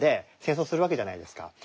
戦争するわけじゃないですか。